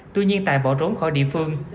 tuy nhiên tài bỏ trốn khỏi địa phương